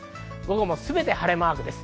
全て晴れマークです。